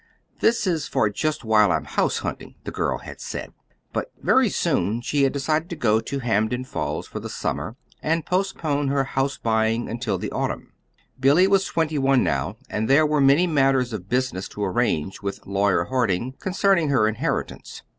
"This is for just while I'm house hunting," the girl had said. But very soon she had decided to go to Hampden Falls for the summer and postpone her house buying until the autumn. Billy was twenty one now, and there were many matters of business to arrange with Lawyer Harding, concerning her inheritance.